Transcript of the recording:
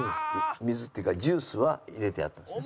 水っていうかジュースは入れてあるんです。